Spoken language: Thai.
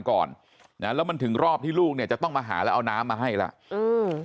ก่อนนะแล้วมันถึงรอบที่ลูกเนี่ยจะต้องมาหาแล้วเอาน้ำมาให้แล้วอืม